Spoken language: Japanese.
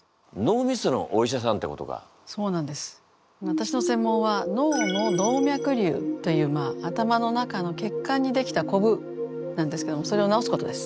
私の専門は脳の動脈瘤というまあ頭の中の血管にできたこぶなんですけどもそれを治すことです。